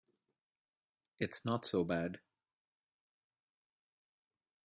It's not so bad.